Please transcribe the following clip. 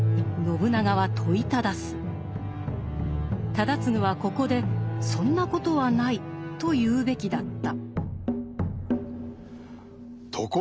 忠次はここで「そんなことはない」と言うべきだった。